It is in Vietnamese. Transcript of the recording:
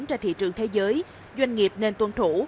ra thị trường thế giới doanh nghiệp nên tuân thủ